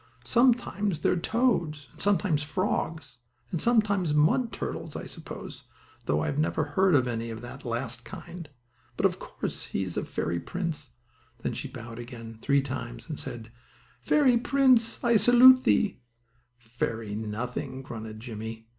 Sometimes they are toads, and sometimes frogs, and sometimes mud turtles, I suppose, though I never heard of any of the last kind. But of course he is a fairy prince." Then she bowed again, three times, and said: "Fairy prince, I salute thee." "Fairy nothing!" grunted Jimmie.